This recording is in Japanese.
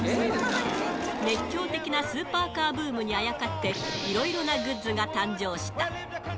熱狂的なスーパーカーブームにあやかって、いろいろなグッズが誕生した。